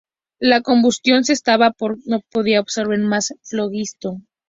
La combustión cesaba porque no podía absorber más flogisto.